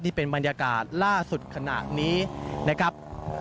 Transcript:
นี่เป็นบรรยากาศล่าสุดขณะนี้นะครับ